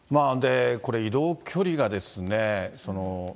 これ、移動距離がですね。